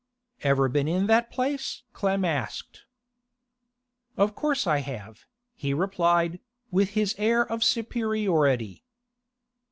'Ever been in that place?' Clem asked. 'Of course I have,' he replied, with his air of superiority.